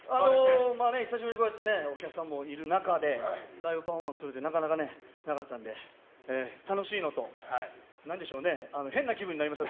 久しぶりにお客さんもいる中でライブパフォーマンスするってなかなかなかったので楽しいのと、何でしょうね変な気分になりました。